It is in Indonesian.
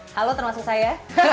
halo termasuk saya